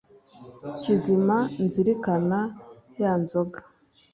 kizima, nzirikana ya nzoga